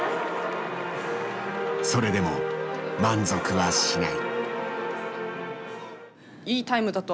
それでも満足はしない。